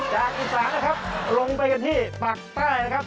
จากอีกฝั่งนะครับลงไปกันที่ปากใต้นะครับ